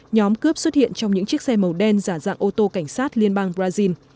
nhóm cướp xuất hiện trong những chiếc xe màu đen giả dạng ô tô cảnh sát liên bang brazil